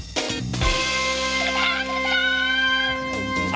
เจ็บ